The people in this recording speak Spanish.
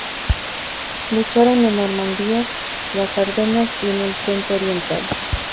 Lucharon en Normandía, las Ardenas y en el Frente Oriental.